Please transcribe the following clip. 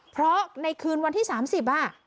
เพราะในคืนวันที่๓๐อ่ะ